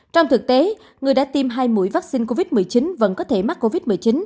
trong thực tế người đã tiêm hai mũi vaccine covid một mươi chín vẫn có thể mắc covid một mươi chín